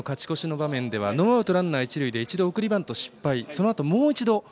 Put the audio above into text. ７回の勝ち越しの場面ではノーアウトランナー、一塁で一度、送りバント失敗